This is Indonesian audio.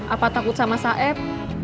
apa takut sama saeb